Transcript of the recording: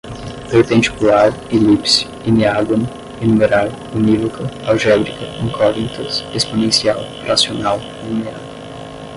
perpendicular, elipse, eneágono, enumerar, unívoca, algébrica, incógnitas, exponencial, fracional, linear